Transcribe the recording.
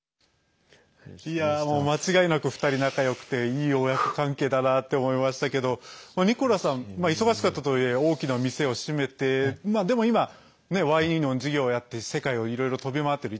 間違いなく２人仲よくていい親子関係だなって思いましたけどニコラさん、忙しかったとはいえ大きな店を閉めてでも今、ワインの事業をやって世界をいろいろ飛び回ってる。